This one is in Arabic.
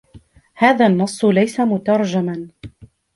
هذا النص ليس مترجما.